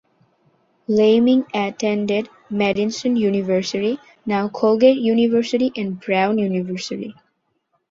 Leaming attended Madison University (now Colgate University) and Brown University.